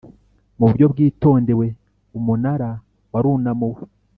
mu buryo bwitondewe Umunara warunamuwe